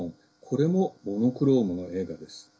これもモノクロームの映画です。